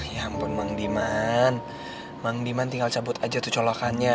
ya ampun mang diman mang diman tinggal cabut aja tuh colokannya